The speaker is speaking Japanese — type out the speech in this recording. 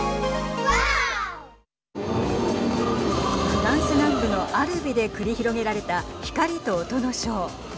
フランス南部のアルビで繰り広げられた光と音のショー。